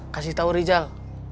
kasih tau rizal